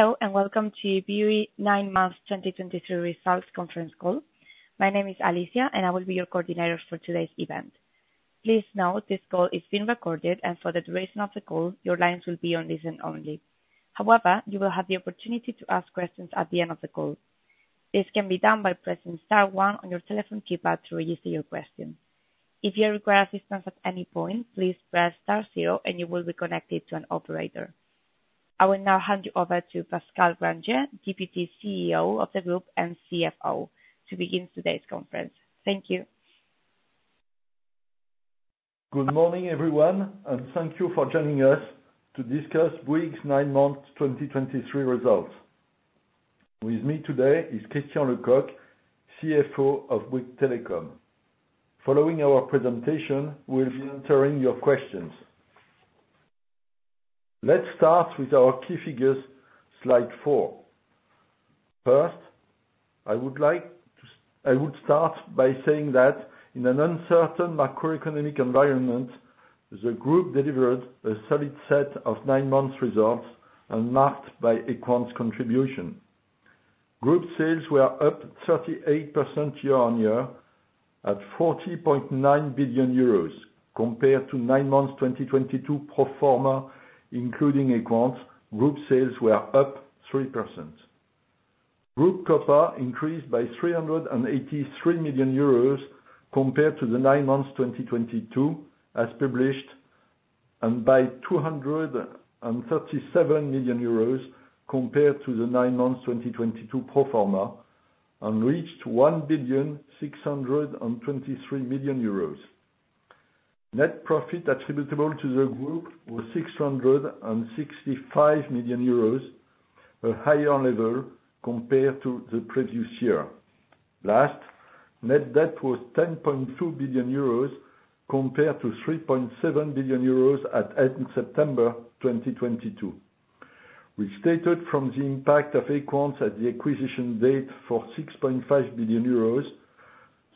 Hello, and welcome to Bouygues Nine-Months 2023 Results Conference Call. My name is Alicia, and I will be your coordinator for today's event. Please note, this call is being recorded, and for the duration of the call, your lines will be on listen only. However, you will have the opportunity to ask questions at the end of the call. This can be done by pressing star one on your telephone keypad to register your question. If you require assistance at any point, please press star zero, and you will be connected to an operator. I will now hand you over to Pascal Grangé, Deputy CEO of the Group and CFO, to begin today's conference. Thank you. Good morning, everyone, and thank you for joining us to discuss Bouygues Nine-Months 2023 results. With me today is Christian Lecoq, CFO of Bouygues Telecom. Following our presentation, we'll be answering your questions. Let's start with our key figures, slide four. First, I would start by saying that in an uncertain macroeconomic environment, the group delivered a solid set of nine-month results and marked by Equans contribution. Group sales were up 38% year-on-year, at EUR 40.9 billion. Compared to nine-months 2022 pro forma, including Equans, group sales were up 3%. Group COPA increased by 383 million euros compared to the nine months 2022, as published, and by 237 million euros compared to the nine months 2022 pro forma, and reached 1,623 million euros. Net profit attributable to the group was 665 million euros, a higher level compared to the previous year. Last, net debt was 10.2 billion euros, compared to 3.7 billion euros at end September 2022. We stated from the impact of Equans at the acquisition date for 6.5 billion euros,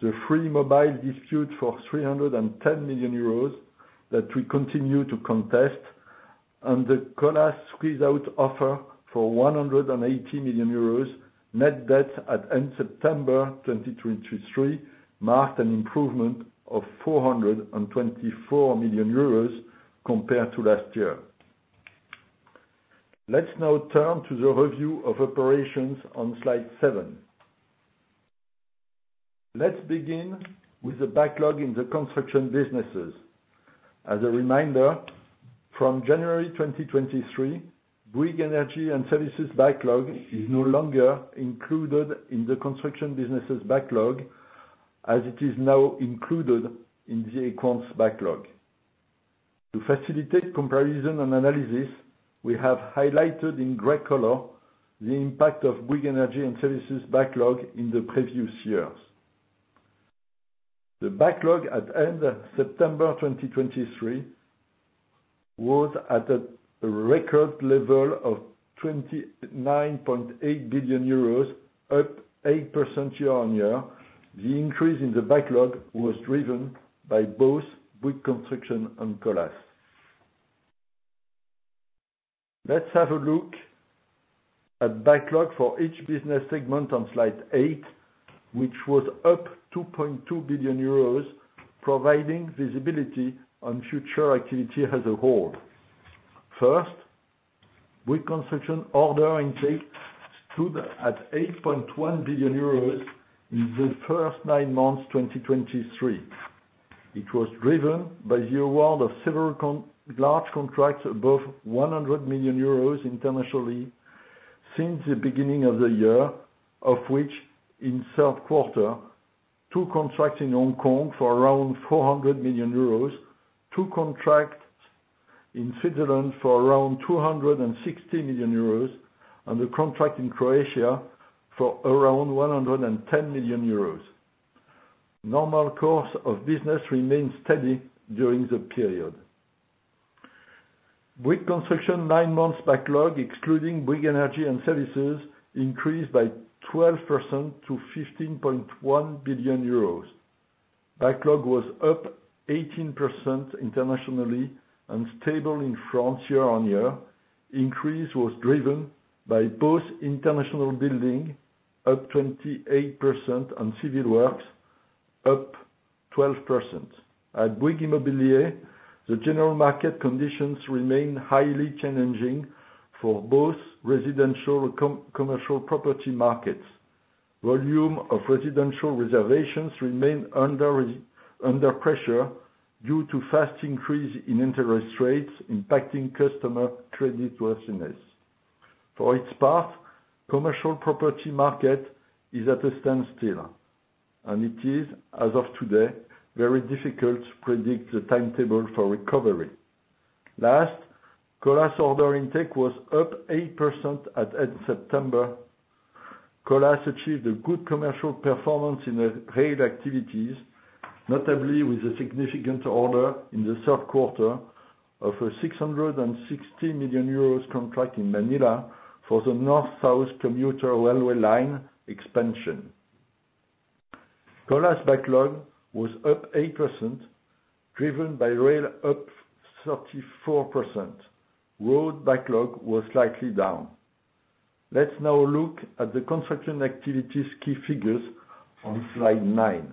the Free Mobile dispute for 310 million euros, that we continue to contest, and the Colas squeeze out offer for 180 million euros. Net debt at end September 2023 marked an improvement of 424 million euros compared to last year. Let's now turn to the review of operations on slide seven. Let's begin with the backlog in the construction businesses. As a reminder, from January 2023, Bouygues Energies & Services backlog is no longer included in the construction businesses backlog, as it is now included in the Equans backlog. To facilitate comparison and analysis, we have highlighted in gray color the impact of Bouygues Energies & Services backlog in the previous years. The backlog at end September 2023 was at a record level of 29.8 billion euros, up 8% year-on-year. The increase in the backlog was driven by both Bouygues Construction and Colas. Let's have a look at backlog for each business segment on slide eight, which was up 2.2 billion euros, providing visibility on future activity as a whole. First, Bouygues Construction order intake stood at 8.1 billion euros in the first nine months, 2023. It was driven by the award of several large contracts above 100 million euros internationally since the beginning of the year, of which, in third quarter, two contracts in Hong Kong for around 400 million euros, two contracts in Switzerland for around 260 million euros, and a contract in Croatia for around 110 million euros. Normal course of business remained steady during the period. Bouygues Construction nine months backlog, excluding Bouygues Energies & Services, increased by 12% to 15.1 billion euros. Backlog was up 18% internationally and stable in France, year-on-year. Increase was driven by both international building, up 28%, and civil works, up 12%. At Bouygues Immobilier, the general market conditions remain highly challenging for both residential and commercial property markets. Volume of residential reservations remain under pressure due to fast increase in interest rates, impacting customer creditworthiness. For its part, commercial property market is at a standstill, and it is, as of today, very difficult to predict the timetable for recovery. Last, Colas order intake was up 8% at end September. Colas achieved a good commercial performance in the rail activities, notably with a significant order in the third quarter of a 660 million euros contract in Manila for the North-South Commuter Railway line expansion. Colas backlog was up 8%, driven by rail up 34%. Road backlog was slightly down. Let's now look at the construction activities' key figures on slide nine.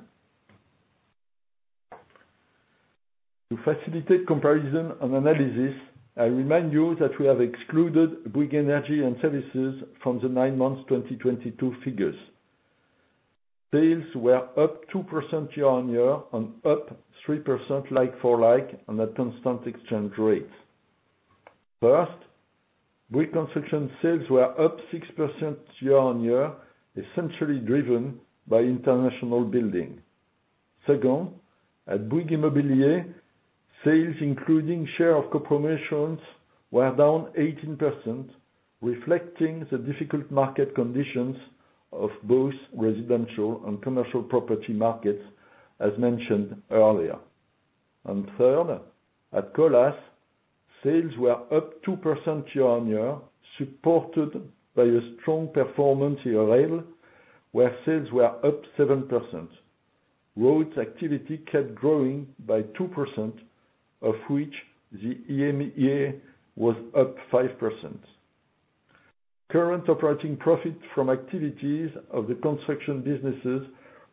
To facilitate comparison and analysis, I remind you that we have excluded Bouygues Energies & Services from the nine-months 2022 figures. Sales were up 2% year-on-year and up 3% like-for-like on a constant exchange rate. First, Bouygues Construction sales were up 6% year-on-year, essentially driven by international building. Second, at Bouygues Immobilier, sales, including share of co-promotions, were down 18%, reflecting the difficult market conditions of both residential and commercial property markets, as mentioned earlier. Third, at Colas, sales were up 2% year-on-year, supported by a strong performance in rail, where sales were up 7%. Roads activity kept growing by 2%, of which the EMEA was up 5%. Current operating profit from activities of the construction businesses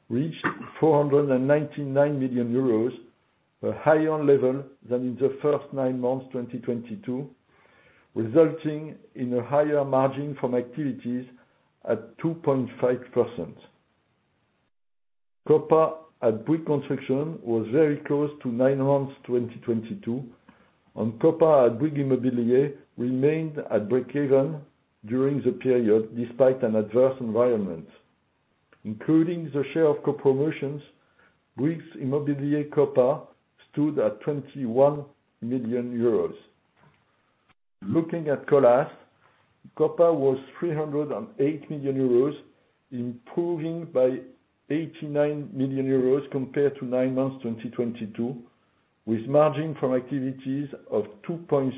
reached 499 million euros, a higher level than in the first nine months 2022, resulting in a higher margin from activities at 2.5%. COPA at Bouygues Construction was very close to nine months, 2022, and COPA at Bouygues Immobilier remained at breakeven during the period, despite an adverse environment. Including the share of co-promotions, Bouygues Immobilier COPA stood at 21 million euros. Looking at Colas, COPA was 308 million euros, improving by 89 million euros compared to nine months, 2022, with margin from activities of 2.6%.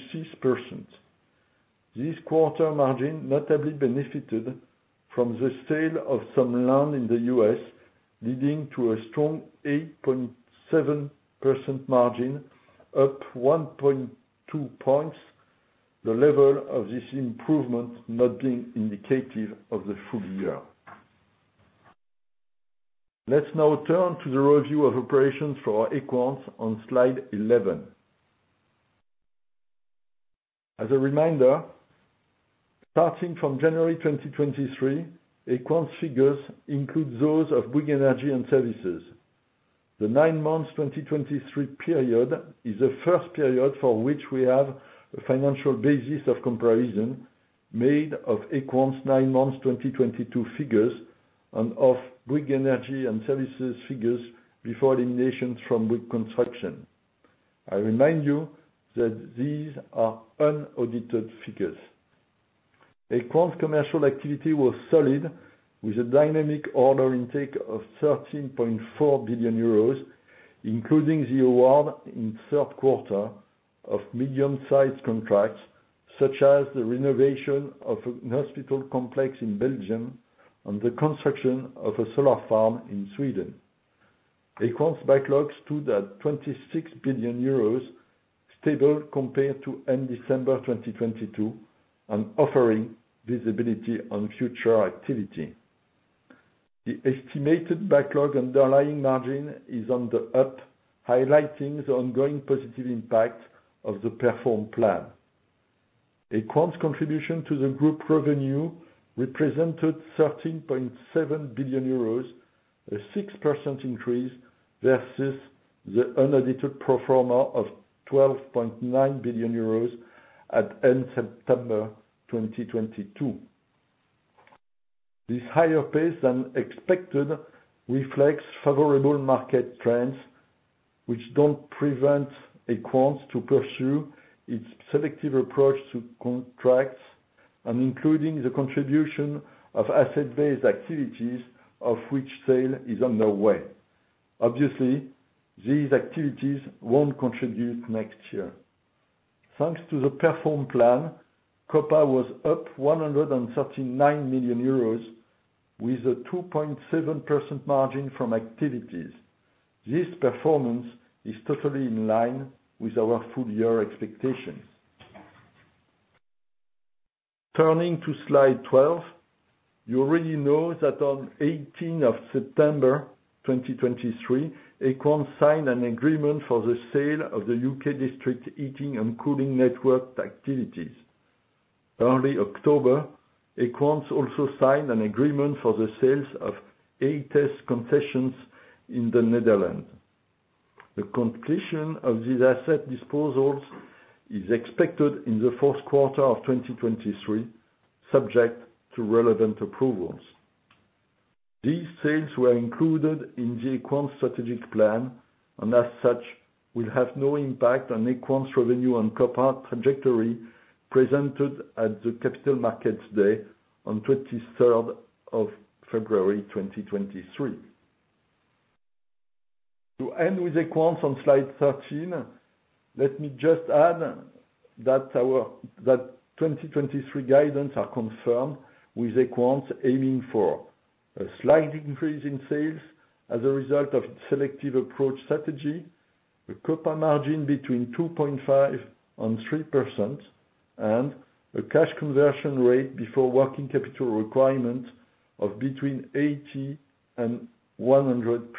This quarter margin notably benefited from the sale of some land in the U.S., leading to a strong 8.7% margin, up 1.2 points, the level of this improvement not being indicative of the full year. Let's now turn to the review of operations for Equans on Slide 11. As a reminder, starting from January 2023, Equans figures include those of Bouygues Energy and Services. The nine-months 2023 period is the first period for which we have a financial basis of comparison made of Equans' nine-months, 2022 figures and of Bouygues Energy & Services figures before elimination from Bouygues Construction. I remind you that these are unaudited figures. Equans' commercial activity was solid, with a dynamic order intake of 13.4 billion euros, including the award in third quarter of medium-sized contracts, such as the renovation of a hospital complex in Belgium and the construction of a solar farm in Sweden. Equans backlog stood at 26 billion euros, stable compared to end December 2022, and offering visibility on future activity. The estimated backlog underlying margin is on the up, highlighting the ongoing positive impact of the Perform Plan. Equans' contribution to the group revenue represented 13.7 billion euros, a 6% increase versus the unaudited pro forma of 12.9 billion euros at end September 2022. This higher pace than expected reflects favorable market trends, which don't prevent Equans to pursue its selective approach to contracts and including the contribution of asset-based activities, of which sale is underway. Obviously, these activities won't contribute next year. Thanks to the Perform Plan, COPA was up 139 million euros, with a 2.7% margin from activities. This performance is totally in line with our full year expectations. Turning to slide 12, you already know that on September 18, 2023, Equans signed an agreement for the sale of the UK district heating and cooling network activities. Early October, Equans also signed an agreement for the sales of ATES concessions in the Netherlands. The completion of these asset disposals is expected in the fourth quarter of 2023, subject to relevant approvals. These sales were included in the Equans strategic plan, and as such, will have no impact on Equans' revenue and COPA trajectory presented at the Capital Markets Day on February 23, 2023. To end with Equans on slide 13, let me just add that our, that 2023 guidance are confirmed with Equans aiming for a slight increase in sales as a result of selective approach strategy, a COPA margin between 2.5% and 3%, and a cash conversion rate before working capital requirement of between 80% and 100%.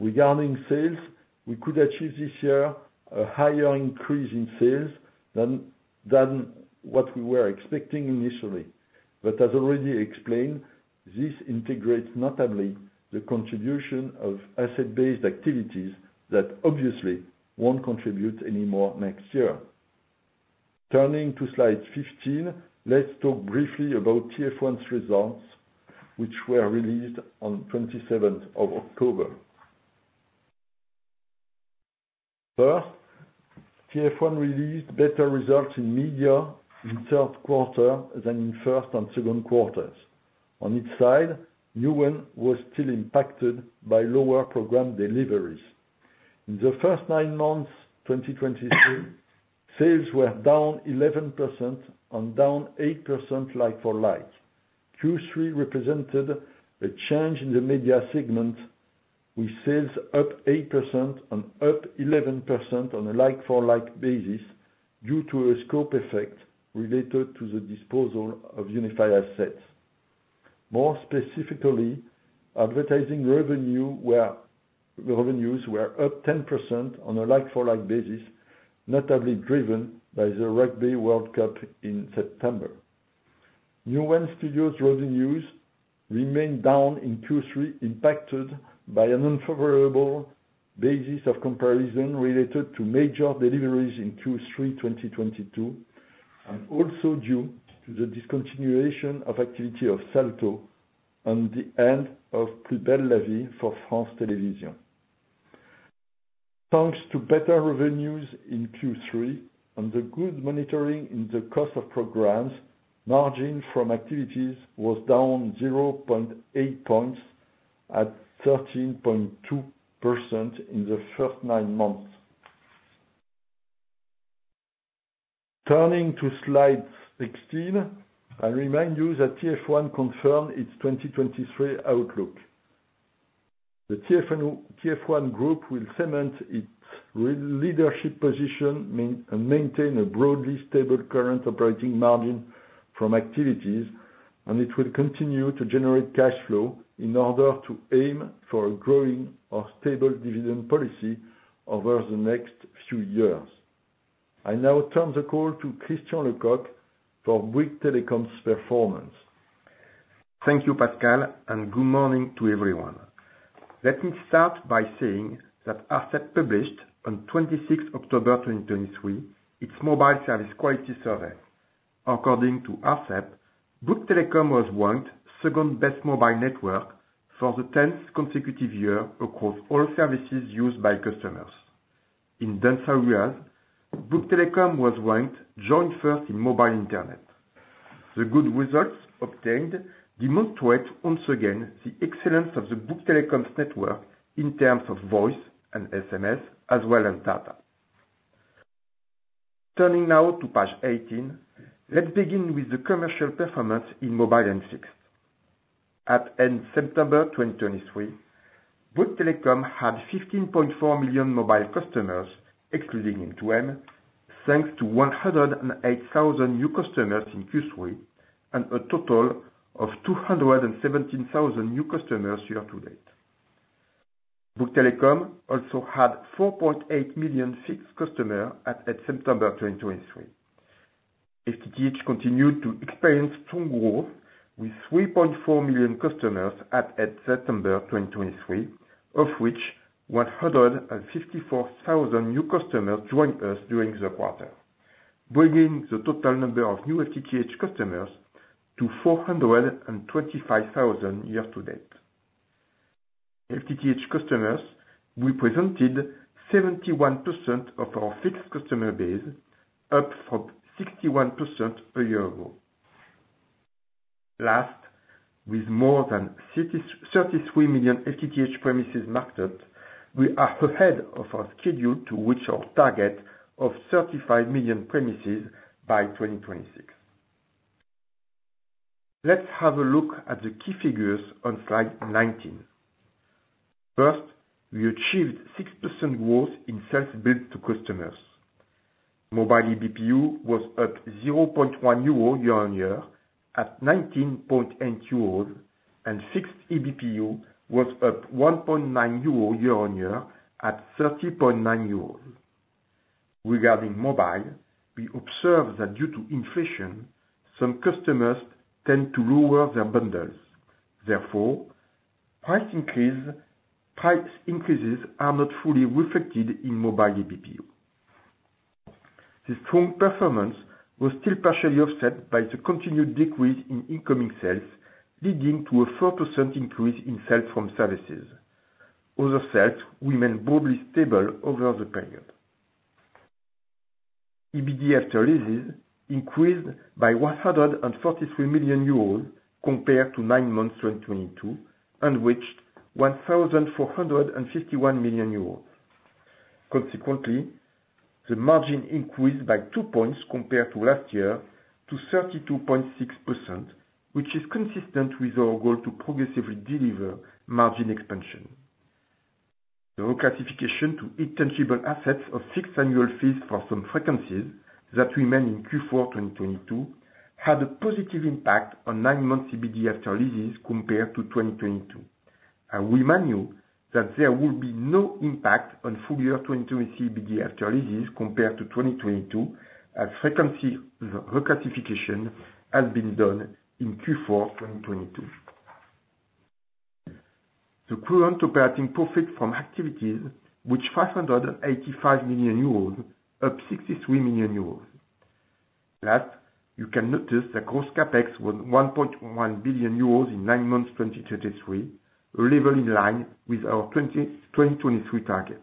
Regarding sales, we could achieve this year a higher increase in sales than, than what we were expecting initially. But as already explained, this integrates notably the contribution of asset-based activities that obviously won't contribute anymore next year. Turning to slide 15, let's talk briefly about TF1's results, which were released on October 27. First, TF1 released better results in media in third quarter than in first and second quarters. On its side, Newen was still impacted by lower program deliveries. In the first nine months, 2023, sales were down 11% and down 8% like-for-like. Q3 represented a change in the media segment, with sales up 8% and up 11% on a like-for-like basis, due to a scope effect related to the disposal of unified assets. More specifically, advertising revenues were up 10% on a like-for-like basis, notably driven by the Rugby World Cup in September. Newen Studios revenues remained down in Q3, impacted by an unfavorable basis of comparison related to major deliveries in Q3 2022, and also due to the discontinuation of activity of Salto and the end of Plus belle la vie for France Télévisions. Thanks to better revenues in Q3 and the good monitoring in the cost of programs, margin from activities was down 0.8 points at 13.2% in the first nine months. Turning to slide 16, I remind you that TF1 confirmed its 2023 outlook. The TF1 group will cement its re-leadership position and maintain a broadly stable current operating margin from activities, and it will continue to generate cash flow in order to aim for a growing or stable dividend policy over the next few years. I now turn the call to Christian Lecoq for Bouygues Telecom's performance. Thank you, Pascal, and good morning to everyone. Let me start by saying that ARCEP published on October 26, 2023, its mobile service quality survey. According to ARCEP, Bouygues Telecom was ranked second best mobile network for the tenth consecutive year across all services used by customers. In dense areas, Bouygues Telecom was ranked joint first in mobile internet. The good results obtained demonstrate once again the excellence of the Bouygues Telecom's network in terms of voice and SMS, as well as data. Turning now to page 18, let's begin with the commercial performance in mobile and fixed. At end September 2023, Bouygues Telecom had 15.4 million mobile customers, excluding in M2M, thanks to 108,000 new customers in Q3, and a total of 217,000 new customers year to date. Bouygues Telecom also had 4.8 million fixed customers at end September 2023. FTTH continued to experience strong growth, with 3.4 million customers at end September 2023, of which 154,000 new customers joined us during the quarter. Bringing the total number of new FTTH customers to 425,000 year-to-date. FTTH customers represented 71% of our fixed customer base, up from 61% a year ago. Last, with more than 33 million FTTH premises marketed, we are ahead of our schedule to reach our target of 35 million premises by 2026. Let's have a look at the key figures on slide 19. First, we achieved 6% growth in sales billed to customers. Mobile ABPU was up 0.1 euro year-on-year at 19.8 euros and fixed ABPU was up 1.9 euro year-on-year at 30.9 euros. Regarding mobile, we observe that due to inflation, some customers tend to lower their bundles. Therefore, price increase, price increases are not fully reflected in mobile ABPU. The strong performance was still partially offset by the continued decrease in incoming sales, leading to a 4% increase in sales from services. Other sales remained broadly stable over the period. EBITDA after leases increased by 143 million euros compared to nine months, 2022, and reached 1,451 million euros. Consequently, the margin increased by two points compared to last year to 32.6%, which is consistent with our goal to progressively deliver margin expansion. The reclassification to intangible assets of six annual fees for some frequencies that remained in Q4 2022 had a positive impact on nine-months EBITDA after leases compared to 2022. I remind you that there will be no impact on full year 2022 EBITDA after leases compared to 2022, as frequency reclassification has been done in Q4 2022. The current operating profit from activities, which 585 million euros, up 63 million euros. Last, you can notice the gross CapEx was 1.1 billion euros in nine- months, 2023, a level in line with our 2023 target.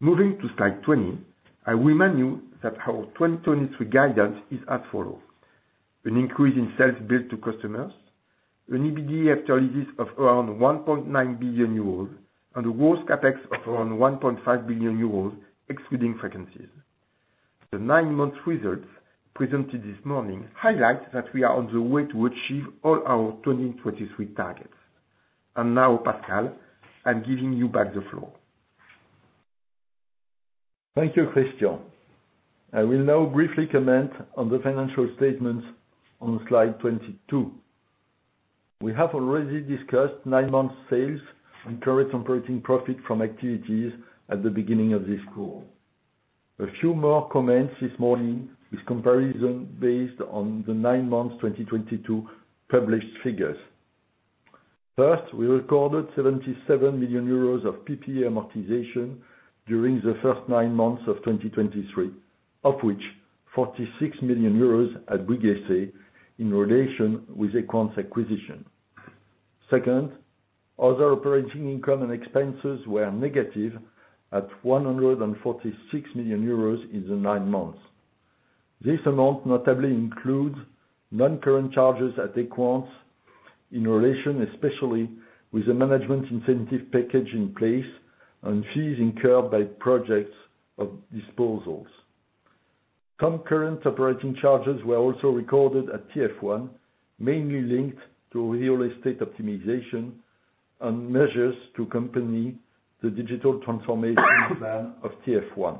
Moving to slide 20. I remind you that our 2023 guidance is as follows: an increase in sales billed to customers, an EBITDA after leases of around 1.9 billion euros, and a gross CapEx of around 1.5 billion euros, excluding frequencies. The nine-month results presented this morning highlight that we are on the way to achieve all our 2023 targets. Now, Pascal, I'm giving you back the floor. Thank you, Christian. I will now briefly comment on the financial statements on slide 22. We have already discussed nine months sales and current operating profit from activities at the beginning of this call. A few more comments this morning with comparison based on the nine months 2022 published figures. First, we recorded 77 million euros of PPE amortization during the first nine months of 2023, of which 46 million euros at Bouygues in relation with Equans acquisition. Second, other operating income and expenses were negative at 146 million euros in the nine months. This amount notably includes non-current charges at Equans in relation, especially with the management incentive package in place and fees incurred by projects of disposals. Some current operating charges were also recorded at TF1, mainly linked to real estate optimization and measures to accompany the digital transformation plan of TF1.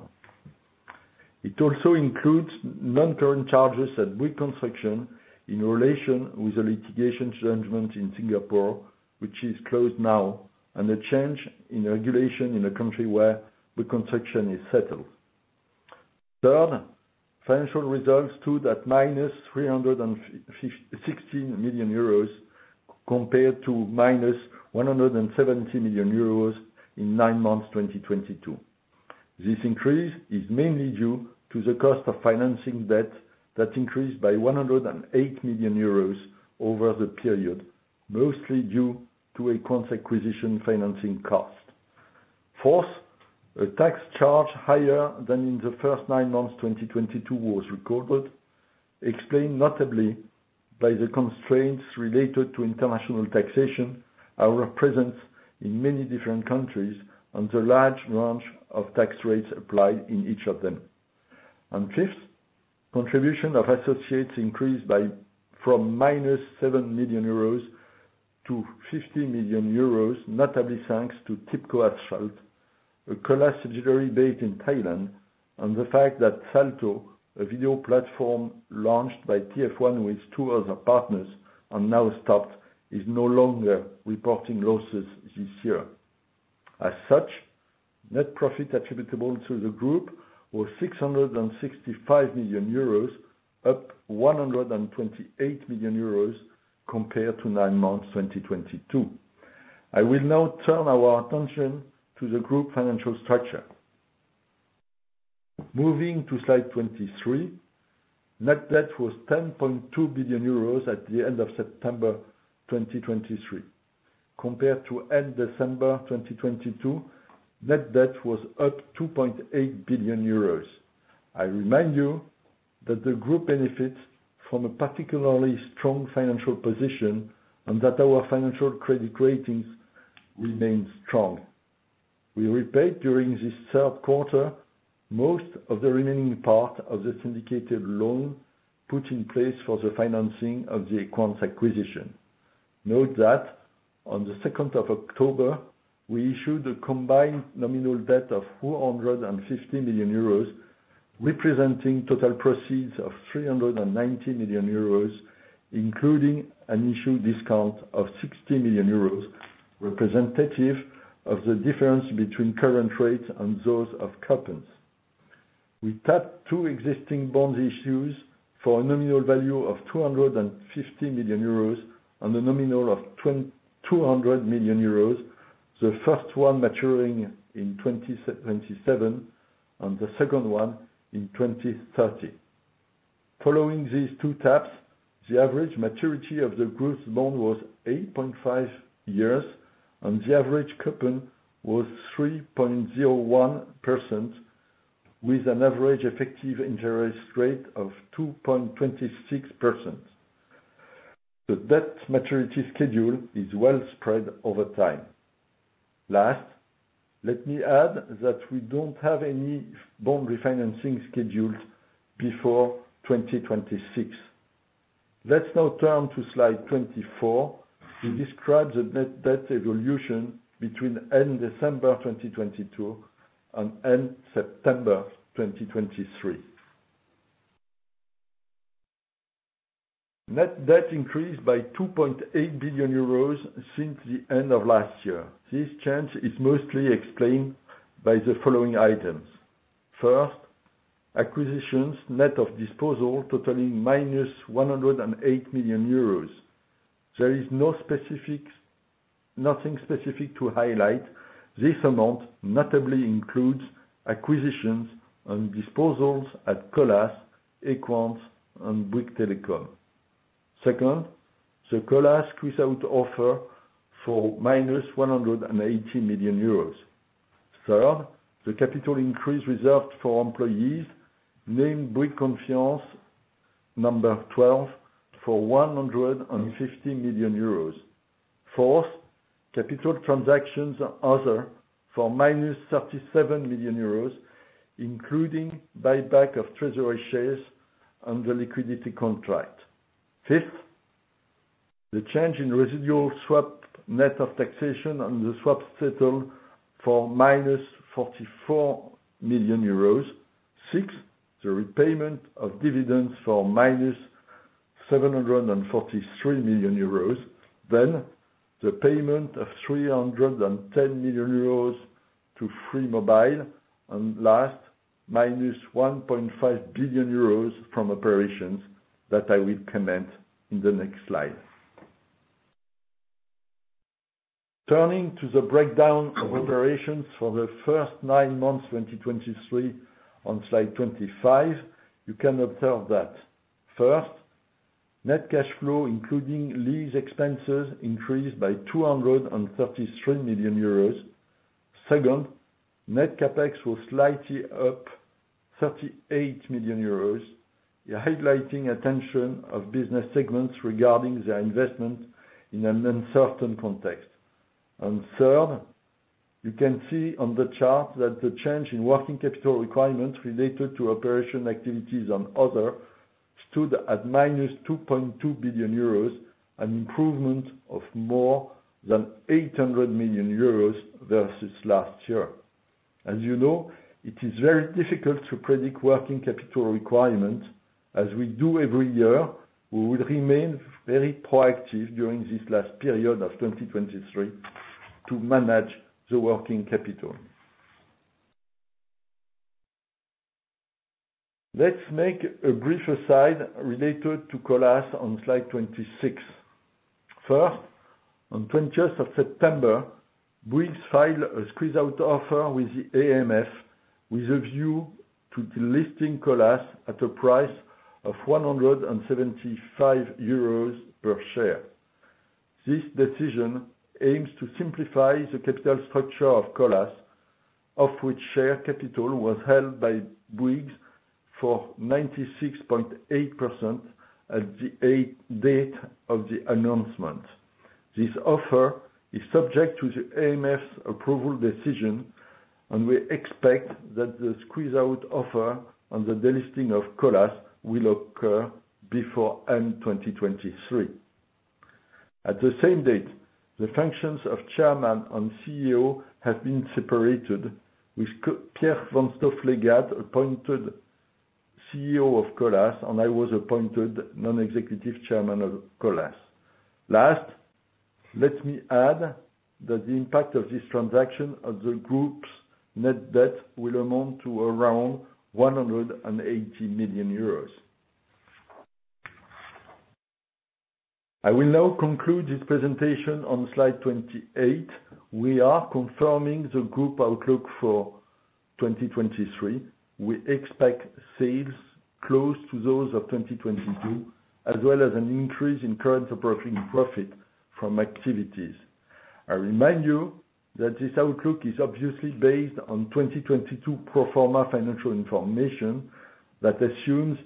It also includes non-current charges at Bouygues Construction in relation with the litigation judgment in Singapore, which is closed now, and a change in regulation in a country where the construction is settled. Third, financial results stood at -316 million euros, compared to -170 million euros in nine months, 2022. This increase is mainly due to the cost of financing debt that increased by 108 million euros over the period, mostly due to Equans acquisition financing cost. Fourth, a tax charge higher than in the first nine months, 2022 was recorded, explained notably by the constraints related to international taxation, our presence in many different countries, and the large range of tax rates applied in each of them. And fifth, contribution of associates increased from -7 million-50 million euros, notably thanks to Tipco Asphalt, a Colas subsidiary based in Thailand, and the fact that Salto, a video platform launched by TF1 with two other partners and now stopped, is no longer reporting losses this year. As such, net profit attributable to the group was 665 million euros, up 128 million euros compared to nine months, 2022. I will now turn our attention to the group financial structure. Moving to slide 23, net debt was 10.2 billion euros at the end of September 2023, compared to end December 2022, net debt was up 2.8 billion euros. I remind you that the group benefits from a particularly strong financial position, and that our financial credit ratings remain strong. We repaid during this third quarter most of the remaining part of the syndicated loan put in place for the financing of the Equans acquisition. Note that on the second of October, we issued a combined nominal debt of 450 million euros, representing total proceeds of 390 million euros, including an issue discount of 60 million euros, representative of the difference between current rates and those of coupons. We tapped two existing bond issues for a nominal value of 250 million euros, and a nominal of 200 million euros, the first one maturing in 2027 and the second one in 2030. Following these two taps, the average maturity of the group's loan was 8.5 years, and the average coupon was 3.01%, with an average effective interest rate of 2.26%. The debt maturity schedule is well spread over time. Last, let me add that we don't have any bond refinancing scheduled before 2026. Let's now turn to slide 24. We describe the net debt evolution between end December 2022 and end September 2023. Net debt increased by 2.8 billion euros since the end of last year. This change is mostly explained by the following items: First, acquisitions net of disposal totaling -108 million euros. There is nothing specific to highlight. This amount notably includes acquisitions and disposals at Colas, Equans, and Bouygues Telecom. Second, the Colas squeeze out offer for -180 million euros. Third, the capital increase reserved for employees named Bouygues Confiance, number 12, for 150 million euros. Fourth, capital transactions other for -37 million euros, including buyback of treasury shares and the liquidity contract. Fifth, the change in residual swap, net of taxation, and the swap settle for -44 million euros. Sixth, the repayment of dividends for -743 million euros. Then, the payment of 310 million euros to Free Mobile. And last, -1.5 billion euros from operations that I will comment in the next slide. Turning to the breakdown of operations for the first nine months, 2023, on slide 25, you can observe that first, net cash flow, including lease expenses, increased by 233 million euros. Second, net CapEx was slightly up 38 million euros, highlighting attention of business segments regarding their investment in an uncertain context. And third, you can see on the chart that the change in working capital requirements related to operation activities and other, stood at -2.2 billion euros, an improvement of more than 800 million euros versus last year. As you know, it is very difficult to predict working capital requirements. As we do every year, we will remain very proactive during this last period of 2023 to manage the working capital. Let's make a brief aside related to Colas on slide 26. First, September 20, Bouygues filed a squeeze out offer with the AMF, with a view to delisting Colas at a price of 175 euros per share. This decision aims to simplify the capital structure of Colas, of which share capital was held by Bouygues for 96.8% at the 8th date of the announcement. This offer is subject to the AMF's approval decision, and we expect that the squeeze out offer on the delisting of Colas will occur before end 2023. At the same date, the functions of Chairman and CEO have been separated, with Pierre Vanstoflegatte appointed CEO of Colas, and I was appointed non-executive chairman of Colas. Last, let me add that the impact of this transaction on the group's net debt will amount to around 180 million euros. I will now conclude this presentation on slide 28. We are confirming the group outlook for 2023. We expect sales close to those of 2022, as well as an increase in current operating profit from activities. I remind you that this outlook is obviously based on 2022 pro forma financial information, that assumes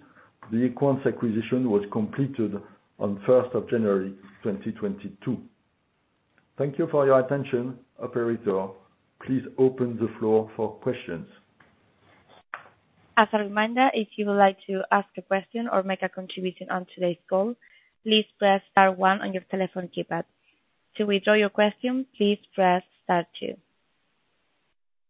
the Equans acquisition was completed on January 1, 2022. Thank you for your attention. Operator, please open the floor for questions. As a reminder, if you would like to ask a question or make a contribution on today's call, please press star one on your telephone keypad. To withdraw your question, please press star two.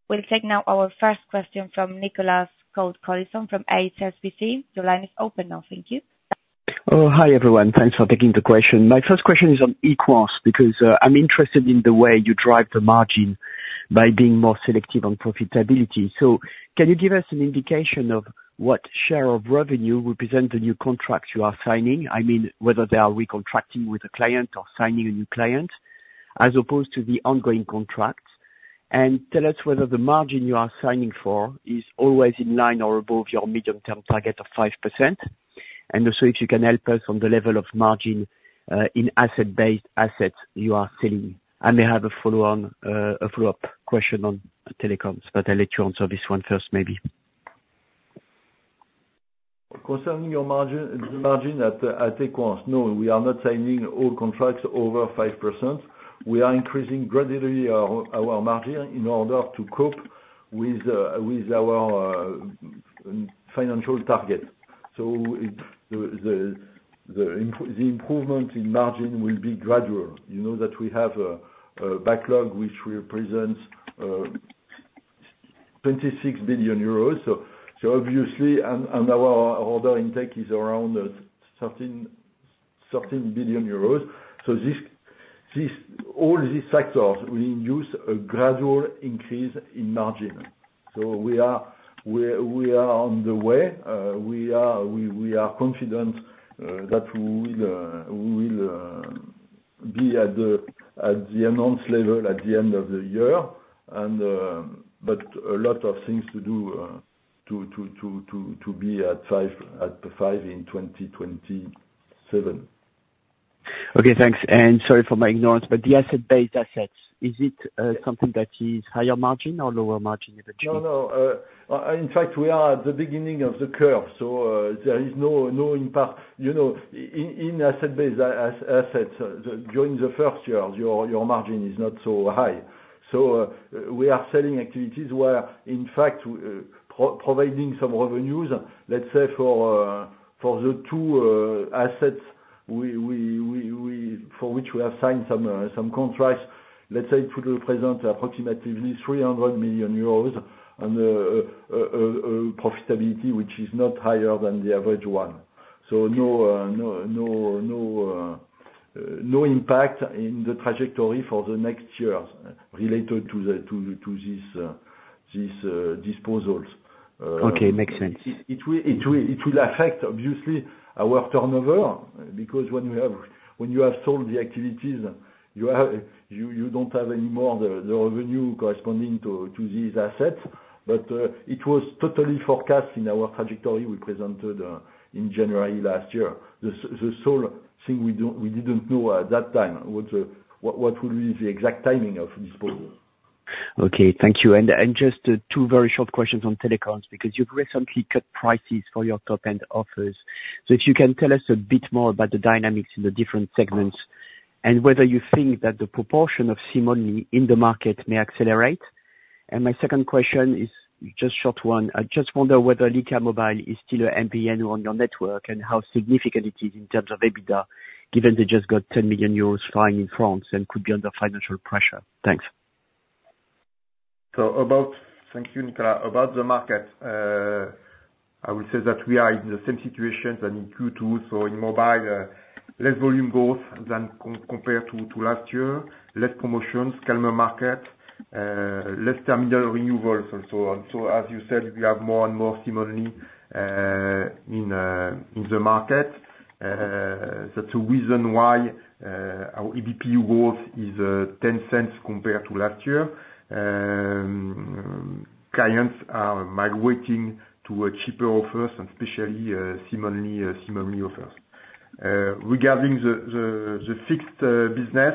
We'll take now our first question from Nicolas Cote-Colisson from HSBC. Your line is open now. Thank you. Oh, hi, everyone. Thanks for taking the question. My first question is on Equans, because I'm interested in the way you drive the margin by being more selective on profitability. So can you give us an indication of what share of revenue represent the new contracts you are signing? I mean, whether they are recontracting with a client or signing a new client, as opposed to the ongoing contracts. And tell us whether the margin you are signing for is always in line or above your medium term target of 5%, and also if you can help us on the level of margin in asset-based assets you are selling. And I have a follow on, a follow-up question on telecoms, but I'll let you answer this one first, maybe. Concerning your margin, the margin. No, we are not signing all contracts over 5%. We are increasing gradually our margin in order to cope with our financial target. So, the improvement in margin will be gradual. You know that we have a backlog which represents 26 billion euros. So obviously, and our order intake is around 13 billion euros. So all these factors will induce a gradual increase in margin. So, we are on the way. We are confident that we will be at the announced level at the end of the year. But a lot of things to do to be at five, at five in 2027. Okay, thanks. And sorry for my ignorance, but the asset-based assets, is it something that is higher margin or lower margin than the? [inaudible] No, no. In fact, we are at the beginning of the curve, so there is no impact. You know, in asset-based assets, during the first years, your margin is not so high. So we are selling activities where, in fact, providing some revenues, let's say for the two assets for which we have signed some contracts, let's say to represent approximately 300 million euros, and a profitability, which is not higher than the average one. So no impact in the trajectory for the next years related to this disposals. Okay, makes sense. It will affect obviously our turnover, because when you have sold the activities, you don't have any more the revenue corresponding to these assets. But it was totally forecast in our trajectory we presented in January last year. The sole thing we didn't know at that time was what will be the exact timing of this disposal. Okay, thank you. And just two very short questions on telecoms, because you've recently cut prices for your top-end offers. So if you can tell us a bit more about the dynamics in the different segments, and whether you think that the proportion of SIM-only in the market may accelerate? And my second question is just a short one. I just wonder whether Lycamobile is still an MVNO on your network, and how significant it is in terms of EBITDA, given they just got 10 million euros fine in France and could be under financial pressure. Thanks. Thank you, Nicolas. About the market, I would say that we are in the same situation than in Q2. So, in mobile, less volume growth than compared to last year, less promotions, calmer market, less terminal renewals, and so on. So, as you said, we have more and more similarly in the market. That's a reason why our EBP growth is 0.10 compared to last year. Clients are migrating to a cheaper offers and especially SIM-only offers. Regarding the fixed business,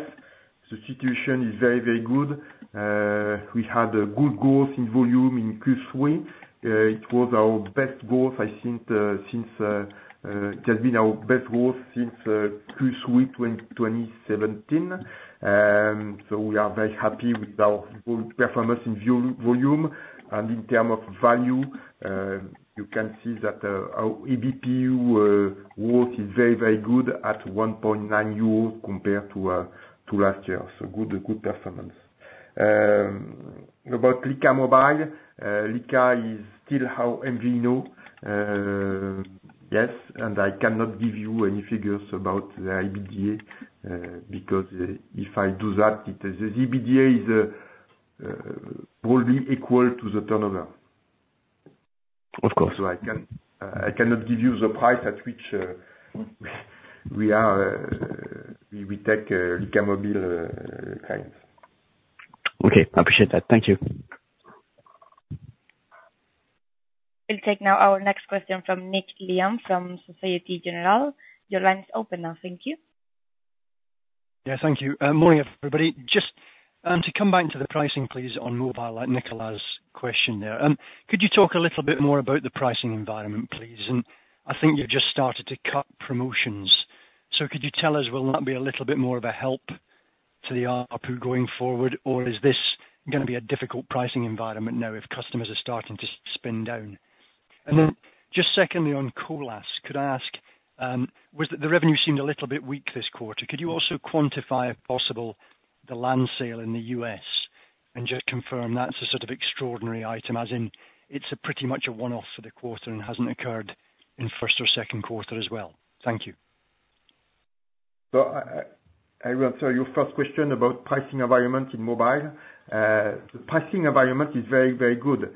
the situation is very, very good. We had a good growth in volume in Q3. It was our best growth, I think, since it has been our best growth since Q3 2017. So, we are very happy with our good performance in volume. In terms of value, you can see that our ABPU growth is very, very good at 1.9 euros compared to last year. So good, good performance. About Lycamobile, Lyca is still our MVNO, yes, and I cannot give you any figures about the EBITDA because if I do that, it, the EBITDA will be equal to the turnover. Of course. So I cannot give you the price at which we take Lycamobile clients. Okay, I appreciate that. Thank you. We'll take now our next question from Nick Lyall from Société Générale. Your line is open now. Thank you. Yeah, thank you. Morning, everybody. Just to come back to the pricing, please, on mobile, like Nicolas' question there. Could you talk a little bit more about the pricing environment, please? And I think you've just started to cut promotions. So could you tell us, will that be a little bit more of a help to the ARPU going forward, or is this gonna be a difficult pricing environment now, if customers are starting to spin down? And then just secondly, on Colas, could I ask, was the revenue seemed a little bit weak this quarter. Could you also quantify, if possible, the land sale in the U.S. and just confirm that's a sort of extraordinary item, as in it's a pretty much a one-off for the quarter and hasn't occurred in first or second quarter as well? Thank you. So I will answer your first question about pricing environment in mobile. The pricing environment is very, very good.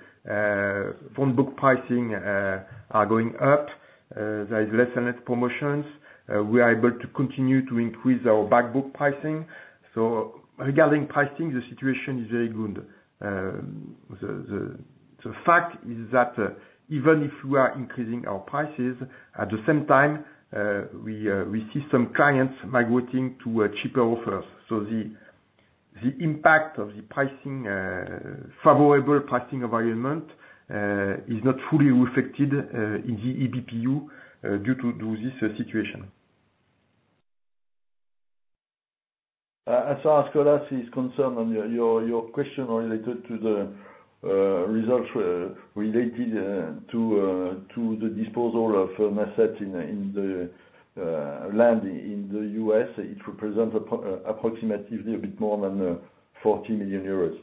Phone book pricing are going up. There is less and less promotions. We are able to continue to increase our back book pricing. So regarding pricing, the situation is very good. The fact is that even if we are increasing our prices, at the same time, we see some clients migrating to cheaper offers. So the impact of the pricing favorable pricing environment is not fully reflected in the ABPU due to this situation. As far as cost is concerned and your question related to the results related to the disposal of assets in the land in the U.S., it represents approximately a bit more than 40 million euros.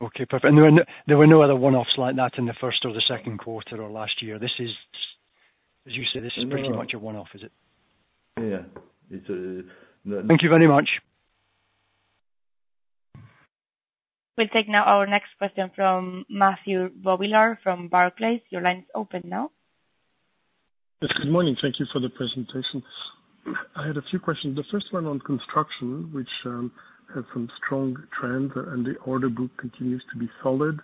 Okay, perfect. And there were no other one-offs like that in the first or the second quarter or last year. As you said, this is pretty much a one-off, is it? Yeah. It's [inaudible] Thank you very much. We'll take now our next question from Matthew Bouley from Barclays. Your line is open now. Yes, good morning. Thank you for the presentation. I had a few questions. The first one on construction, which had some strong trends, and the order book continues to be solid.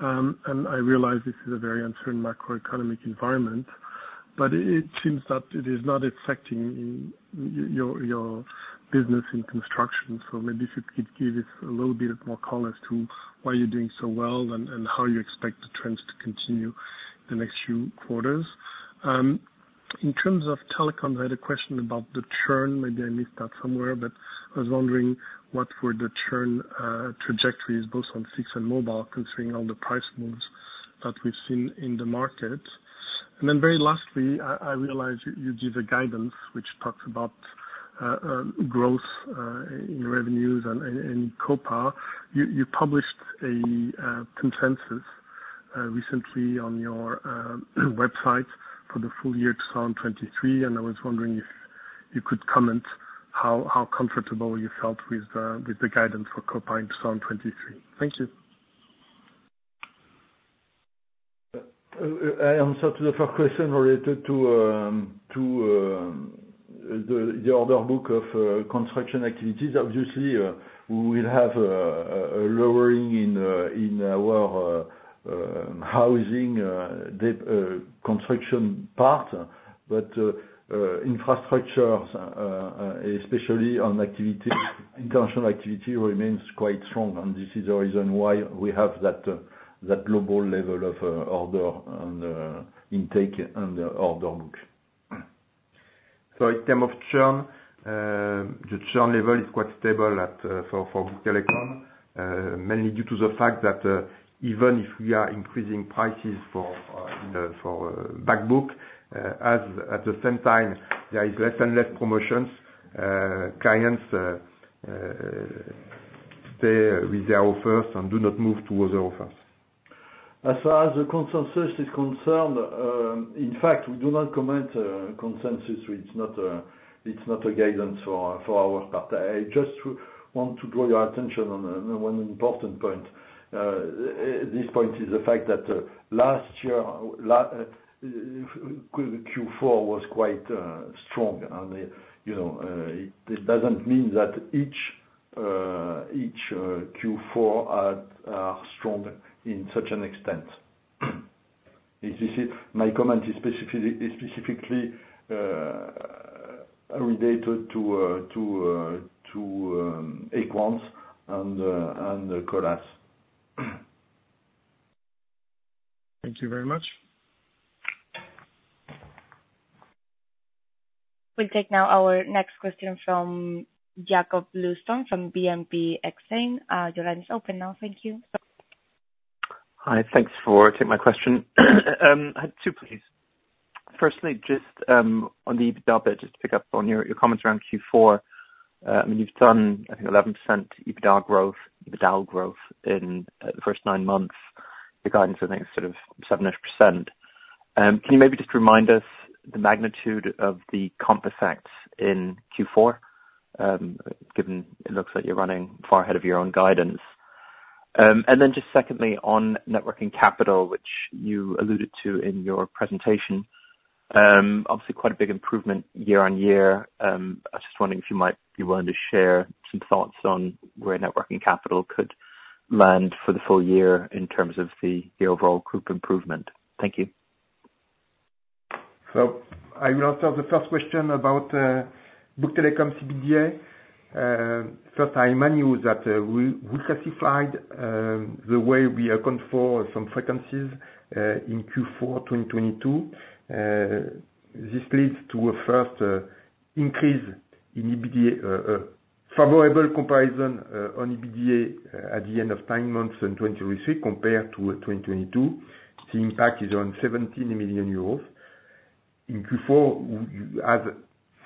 I realize this is a very uncertain macroeconomic environment, but it seems that it is not affecting your business in construction. So maybe if you could give us a little bit of more color as to why you're doing so well and how you expect the trends to continue the next few quarters. In terms of telecom, I had a question about the churn. Maybe I missed that somewhere, but I was wondering what were the churn trajectories, both on fixed and mobile, considering all the price moves that we've seen in the market. Then very lastly, I realize you give a guidance which talks about growth in revenues and in COPA. You published a consensus recently on your website for the full year 2023, and I was wondering if you could comment how comfortable you felt with the guidance for COPA in 2023. Thank you. I answer to the first question related to the order book of construction activities. Obviously, we will have a lowering in our housing construction part, but infrastructures, especially on activity, international activity remains quite strong, and this is the reason why we have that global level of order intake and the order book. So in terms of churn, the churn level is quite stable, for Bouygues Telecom, mainly due to the fact that even if we are increasing prices for the back book, as at the same time there is less and less promotions, clients stay with their offers and do not move to other offers. As far as the consensus is concerned, in fact, we do not comment consensus. It's not, it's not a guidance for, for our part. I just want to draw your attention on, one important point. This point is the fact that, last year, Q4 was quite, strong, and, you know, this doesn't mean that each, each Q4 are, are strong in such an extent. This is my comment is specifically, is specifically, related to, Equans and, and Colas. Thank you very much. We'll take now our next question from Jakob Bluestone, from BNP Exane. Your line is open now. Thank you. Hi. Thanks for taking my question. I had two, please. Firstly, just, on the EBITDA, just to pick up on your, your comments around Q4. I mean, you've done, I think, 11% EBITDA growth, EBITDA growth in, the first nine months. The guidance, I think, is sort of seven-ish %. Can you maybe just remind us the magnitude of the comp effects in Q4? Given it looks like you're running far ahead of your own guidance. And then just secondly, on working capital, which you alluded to in your presentation, obviously quite a big improvement year-on-year. I was just wondering if you might be willing to share some thoughts on where working capital could land for the full year in terms of the, the overall group improvement. Thank you. So I will answer the first question about Bouygues Telecom EBITDA. First, mainly that we classified the way we account for some frequencies in Q4 2022. This leads to a first increase in EBITDA favorable comparison on EBITDA at the end of nine months in 2023 compared to 2022. The impact is around 17 million euros. In Q4, as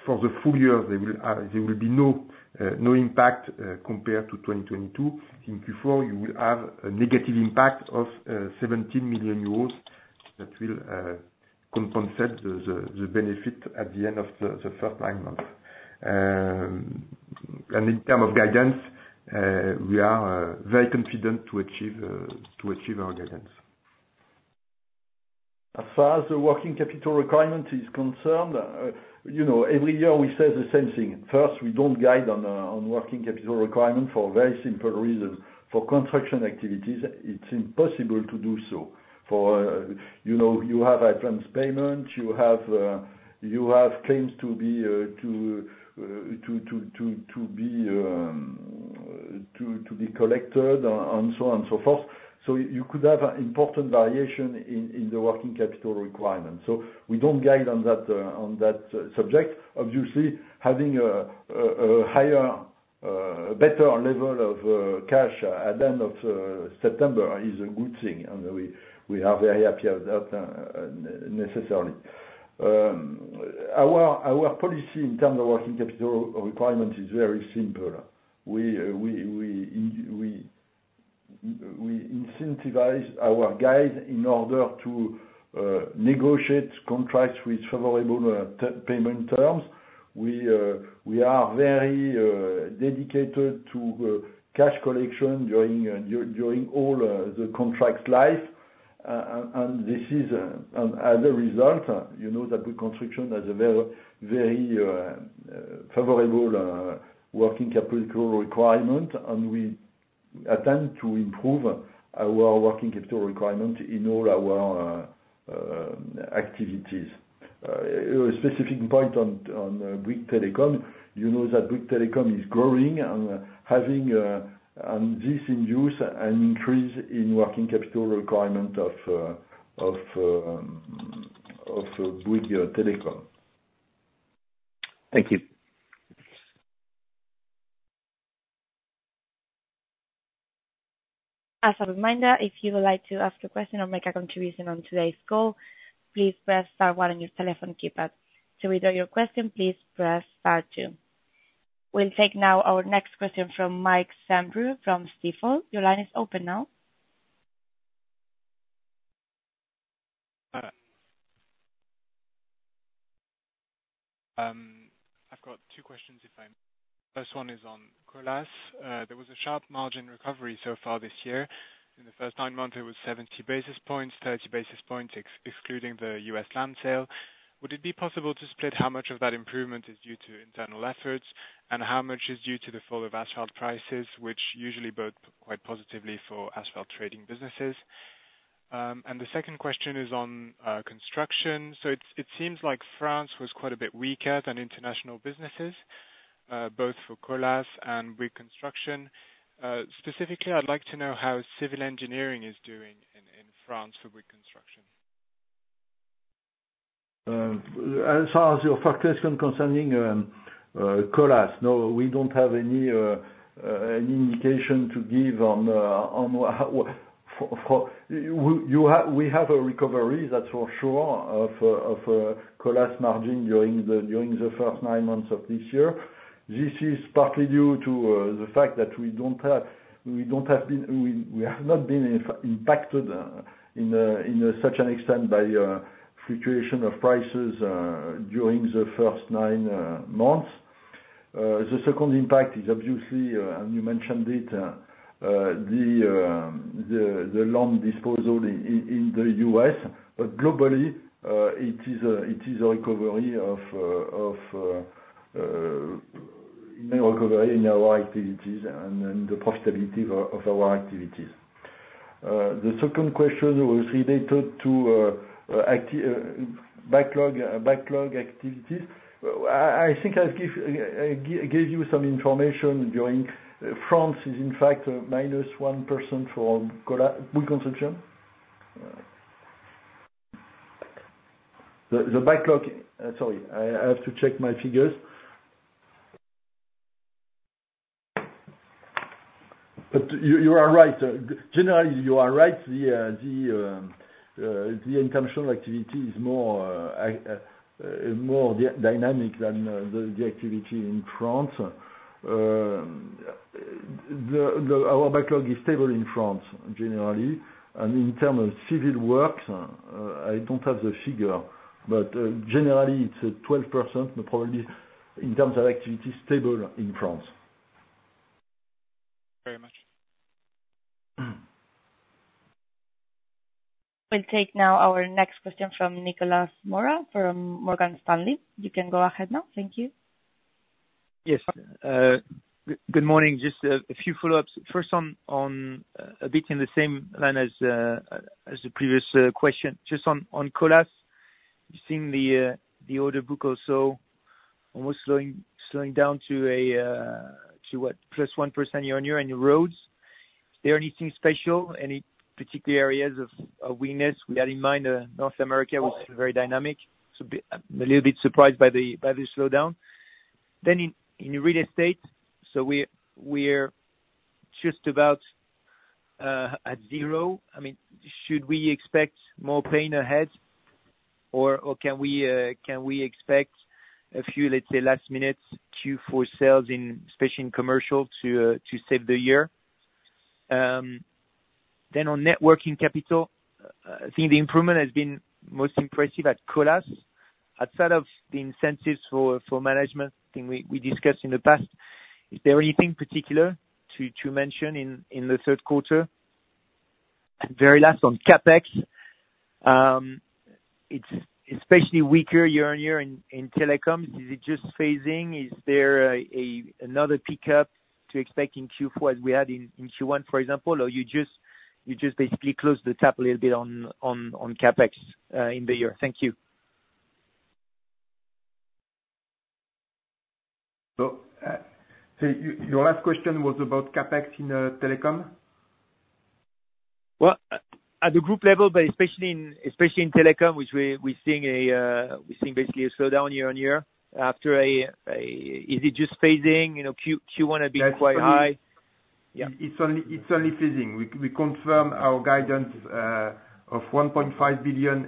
for the full year, there will be no impact compared to 2022. In Q4, you will have a negative impact of 17 million euros. That will compensate the benefit at the end of the first nine months. And in terms of guidance, we are very confident to achieve our guidance. As far as the working capital requirement is concerned, you know, every year we say the same thing. First, we don't guide on working capital requirement for very simple reasons. For construction activities, it's impossible to do so. For, you know, you have items payment, you have claims to be collected, and so on and so forth. So you could have an important variation in the working capital requirement. So we don't guide on that subject. Obviously, having a higher, better level of cash at the end of September is a good thing, and we are very happy with that, necessarily. Our policy in terms of working capital requirement is very simple. We incentivize our guys in order to negotiate contracts with favorable term payment terms. We are very dedicated to cash collection during all the contract's life. This is as a result, you know, that the construction has a very, very favorable working capital requirement, and we attempt to improve our working capital requirement in all our activities. A specific point on Bouygues Telecom, you know, that Bouygues Telecom is growing and having and this induce an increase in working capital requirement of Bouygues Telecom. Thank you. As a reminder, if you would like to ask a question or make a contribution on today's call, please press star one on your telephone keypad. To withdraw your question, please press star two. We'll take now our next question from Mike Sambrew from Stifel. Your line is open now. I've got two questions if I may. First one is on Colas. There was a sharp margin recovery so far this year. In the first nine months, it was 70 basis points, 30 basis points, excluding the U.S. land sale. Would it be possible to split how much of that improvement is due to internal efforts, and how much is due to the fall of asphalt prices, which usually bode quite positively for asphalt trading businesses? And the second question is on construction. So, it seems like France was quite a bit weaker than international businesses, both for Colas and Bouygues Construction. Specifically, I'd like to know how civil engineering is doing in France for Bouygues Construction. As far as your first question concerning Colas, no, we don't have any indication to give on, we have a recovery, that's for sure, of Colas margin during the first nine months of this year. This is partly due to the fact that we don't have, we don't have been, we, we have not been impacted in such an extent by fluctuation of prices during the first nine months. The second impact is obviously, and you mentioned it, the land disposal in the U.S. But globally, it is a, it is a recovery of recovery in our activities and then the profitability of our activities. The second question was related to backlog activities. I think I gave you some information during. France is in fact minus one person for Colas-Bouygues Construction. The backlog. Sorry, I have to check my figures. But you are right. Generally, you are right. The international activity is more dynamic than the activity in France. Our backlog is stable in France, generally. And in terms of civil works, I don't have the figure, but generally, it's a 12%, but probably in terms of activity, stable in France. Very much. We'll take now our next question from Nicolas Mora, from Morgan Stanley. You can go ahead now. Thank you. Yes, good morning. Just a few follow-ups. First, on a bit in the same line as the previous question, just on Colas. You've seen the order book also almost slowing down to what? +1% year-on-year on your roads. Is there anything special, any particular areas of weakness? We had in mind North America was very dynamic, so a little bit surprised by the slowdown. Then in real estate, so we're just about at zero. I mean, should we expect more pain ahead, or can we expect a few, let's say, last minute Q4 sales, especially in commercial, to save the year? Then on working capital, I think the improvement has been most impressive at Colas. Outside of the incentives for management, think we discussed in the past, is there anything particular to mention in the third quarter? Very last on CapEx, it's especially weaker year-on-year in telecoms. Is it just phasing? Is there another pickup to expect in Q4, as we had in Q1, for example? Or you just basically closed the tap a little bit on CapEx in the year. Thank you. So, your last question was about CapEx in telecom? Well, at the group level, but especially in telecom, which we're seeing basically a slowdown year-on-year after, is it just phasing, you know? Q1 have been quite high? Yeah. It's only phasing. We confirm our guidance of 1.5 billion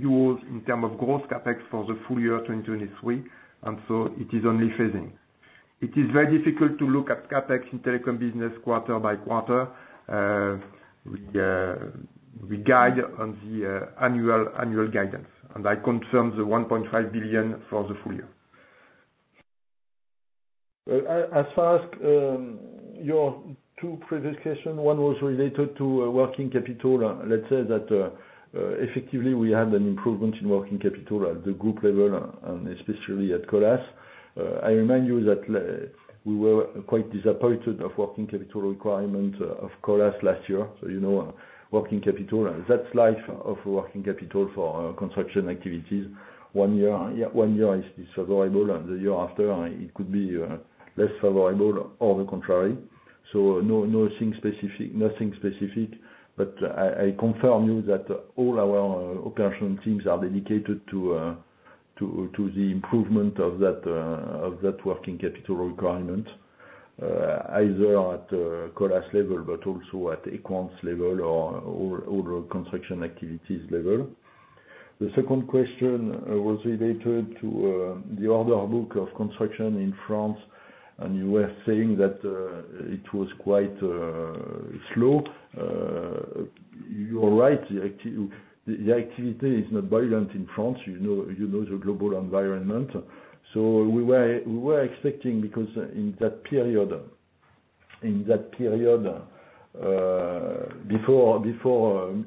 euros in terms of gross CapEx for the full year 2023, and so it is only phasing. It is very difficult to look at CapEx in telecom business quarter by quarter. We guide on the annual guidance, and I confirm the 1.5 billion for the full year. As far as your two previous question, one was related to working capital. Let's say that effectively we have an improvement in working capital at the group level, and especially at Colas. I remind you that we were quite disappointed of working capital requirement of Colas last year, so you know, working capital, and that's life of working capital for construction activities. One year, yeah, one year is favorable, and the year after, it could be less favorable or the contrary. So no, nothing specific, nothing specific, but I confirm you that all our operational teams are dedicated to the improvement of that working capital requirement, either at Colas level, but also at Equans level or construction activities level. The second question was related to the order book of construction in France, and you were saying that it was quite slow. You're right, the activity is not violent in France, you know, you know the global environment. So we were expecting, because in that period before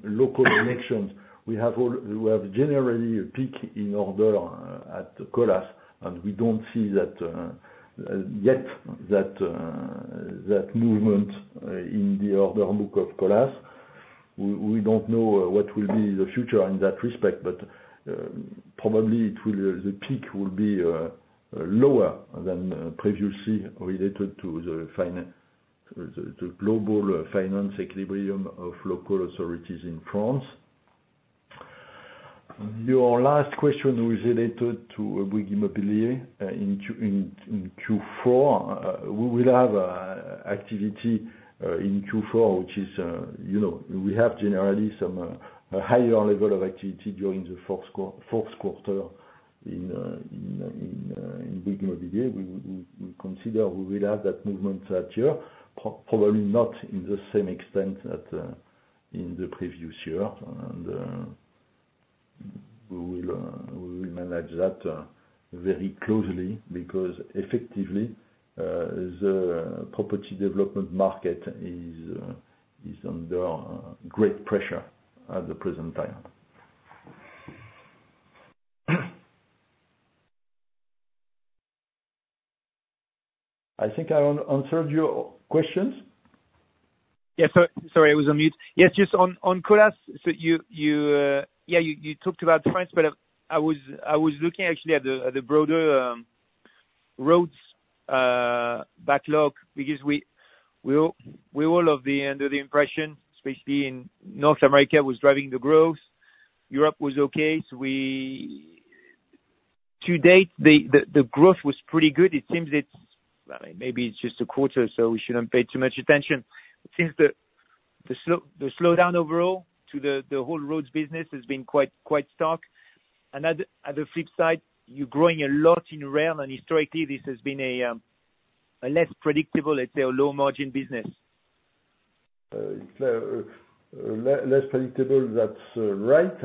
local elections, we have generally a peak in order at Colas, and we don't see that yet, that movement in the order book of Colas. We don't know what will be the future in that respect, but probably it will, the peak will be lower than previously related to the global finance equilibrium of local authorities in France. Your last question was related to Bouygues Immobilier in Q4. We will have activity in Q4, which is, you know, we have generally some a higher level of activity during the fourth quarter in Bouygues Immobilier. We consider we will have that movement that year, probably not in the same extent that in the previous year, and we will manage that very closely, because effectively, the property development market is under great pressure at the present time. I think I answered your questions? Yeah, so sorry, I was on mute. Yes, just on Colas. So you talked about France, but I was looking actually at the broader roads backlog, because we're all under the impression, especially in North America, was driving the growth. Europe was okay, so to date, the growth was pretty good. It seems it's, well, maybe it's just a quarter, so we shouldn't pay too much attention. It seems the slowdown overall to the whole roads business has been quite stark. And at the flip side, you're growing a lot in rail, and historically this has been a less predictable, let's say, a low margin business. It's less predictable, that's right.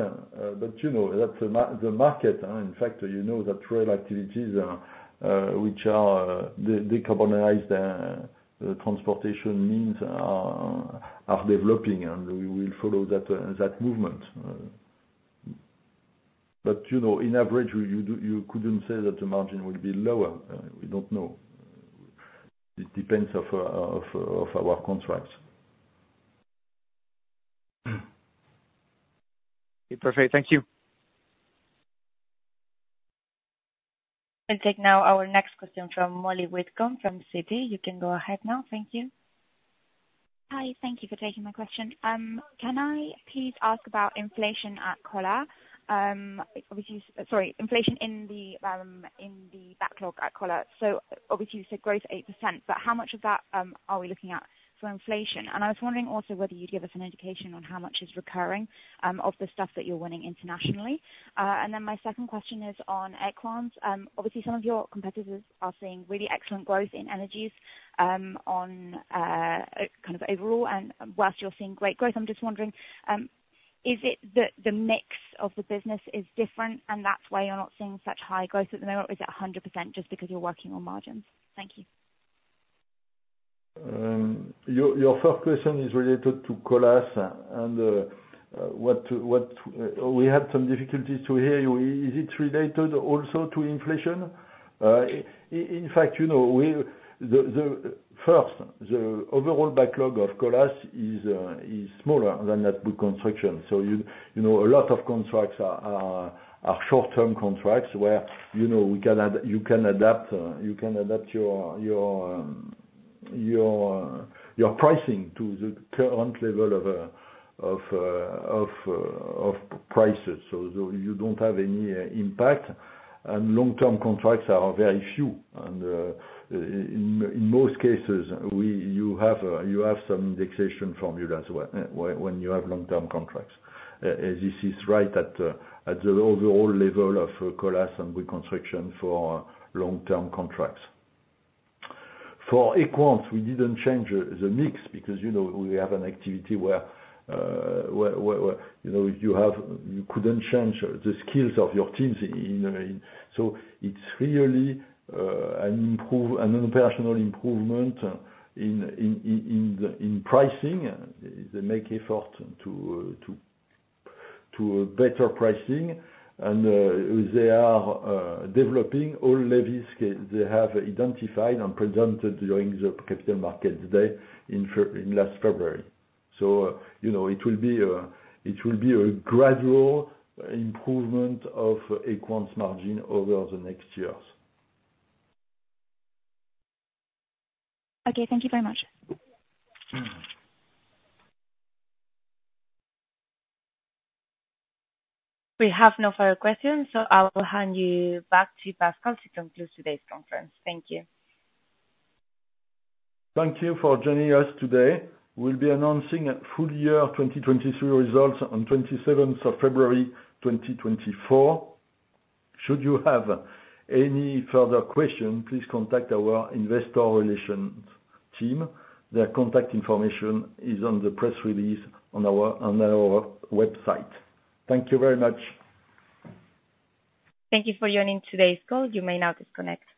But, you know, that's the market. In fact, you know that rail activities, which are decarbonize the transportation means are developing, and we will follow that movement. But, you know, in average, you couldn't say that the margin will be lower. We don't know. It depends of our contracts. Okay, perfect. Thank you. I'll take now our next question from Molly Whitcomb, from Citi. You can go ahead now. Thank you. Hi, thank you for taking my question. Can I please ask about inflation at Colas? Sorry, inflation in the backlog at Colas. So obviously you said growth 8%, but how much of that are we looking at for inflation? And I was wondering also whether you'd give us an indication on how much is recurring of the stuff that you're winning internationally. And then my second question is on Equans. Obviously some of your competitors are seeing really excellent growth in energies on kind of overall, and whilst you're seeing great growth, I'm just wondering, is it the mix of the business is different, and that's why you're not seeing such high growth at the moment, or is it 100% just because you're working on margins? Thank you. Your first question is related to Colas, and we had some difficulties to hear you. Is it related also to inflation? In fact, you know, the overall backlog of Colas is smaller than that of Bouygues Construction. So you know, a lot of contracts are short-term contracts, where you know, you can adapt your pricing to the current level of prices. So you don't have any impact, and long-term contracts are very few, and in most cases, you have some indexation formulas when you have long-term contracts. As this is right at the overall level of Colas and Bouygues Construction for long-term contracts. For Equans, we didn't change the mix because, you know, we have an activity where you couldn't change the skills of your teams in, so it's really an operational improvement in pricing. They make effort to better pricing, and they are developing all levers they have identified and presented during the capital markets day in last February. So, you know, it will be a gradual improvement of Equans margin over the next years. Okay, thank you very much. Mm-hmm. We have no further questions, so I will hand you back to Pascal to conclude today's conference. Thank you. Thank you for joining us today. We'll be announcing full year 2023 results on February 27, 2024. Should you have any further question, please contact our investor relations team. Their contact information is on the press release on our website. Thank you very much. Thank you for joining today's call. You may now disconnect.